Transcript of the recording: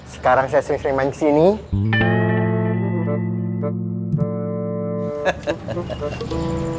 sekarang saya sering sering main kesini